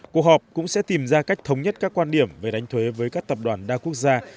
cuộc họp cũng sẽ tìm ra cách thống nhất các quan điểm về đánh thuế với các tập đoàn đa quốc gia